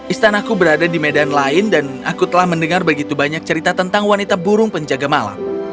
istanaku berada di medan lain dan aku telah mendengar begitu banyak cerita tentang wanita burung penjaga malam